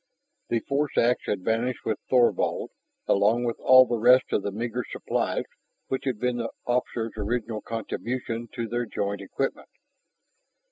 The force ax had vanished with Thorvald, along with all the rest of the meager supplies which had been the officer's original contribution to their joint equipment.